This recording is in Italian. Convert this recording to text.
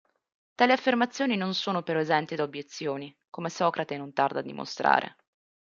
Tali affermazioni non sono però esenti da obiezioni, come Socrate non tarda a dimostrare.